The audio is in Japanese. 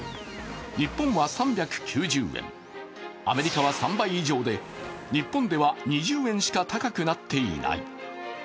アメリカは３倍以上で日本では、２０円しか高くなっていない。